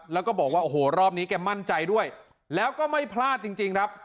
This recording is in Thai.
แล้วก็บอกว่าโอ้โหรอบนี้แกมั่นใจด้วยแล้วก็ไม่พลาดจริงครับ